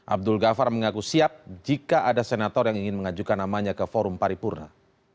abdul ghaffar mengaku siap jika ada senator yang ingin mengajukan namanya ke forum paripurna